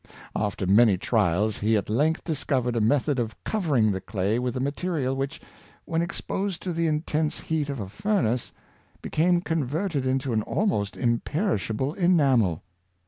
After many trials he at length discovered a method of covering the clay with a material which, when exposed to the intense heat of a furnace, became converted into an almost imperishable enamel.